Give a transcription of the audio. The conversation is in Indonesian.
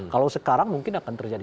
kalau sekarang mungkin akan terjadi